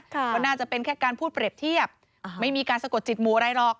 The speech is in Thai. ก็น่าจะเป็นแค่การพูดเปรียบเทียบไม่มีการสะกดจิตหมู่อะไรหรอก